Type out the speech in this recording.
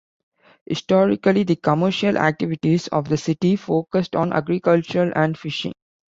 Historically, the commercial activities of the city focused on agriculture and fishing.